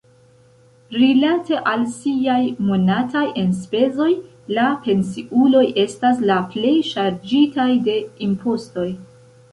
Rilate al siaj monataj enspezoj, la pensiuloj estas la plej ŝarĝitaj de impostoj.